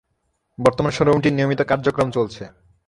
বর্তমানে শোরুমটির নিয়মিত কার্যক্রম চলছে।